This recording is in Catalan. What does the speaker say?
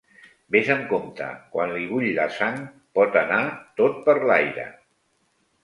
Vés amb compte, quan li bull la sang, pot anar tot per l’aire.